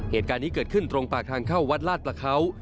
เหตุการณ์นี้เกิดขึ้นตรงปากทางเข้าวัดลาดประเขา